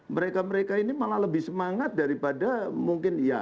mereka mereka ini malah lebih semangat daripada mungkin ya